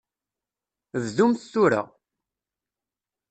Bdumt tura!